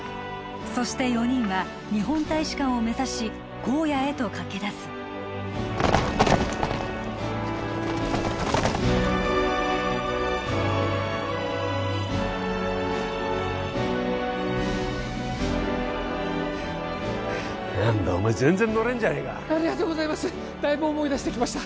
そして４人は日本大使館を目指し荒野へと駆け出す何だお前全然乗れんじゃねえかありがとうございますだいぶ思い出してきました